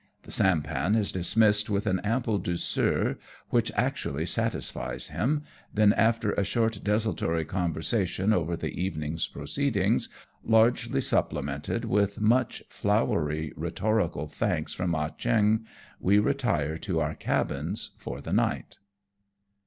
The sampan is dismissed with an ample douceur, which actually satisfies him, then after a short desultory conversation over the evening's pro ceedings, largely supplemented with much flowery rhetorical thanks from Ah Cheong, we retire to our cabins for the night.